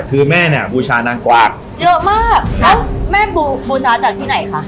คือแม่เนี่ยบูชานางกวากเยอะมากแล้วแม่บูบูชาจากที่ไหนคะ